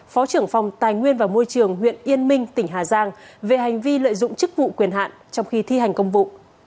phó trưởng phòng tài nguyên và môi trường huyện yên minh tỉnh hà giang về hành vi lợi dụng chức vụ quyền hạn trong khi thi hành công vụ